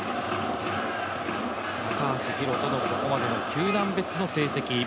高橋宏斗のこれまでの球団別の成績。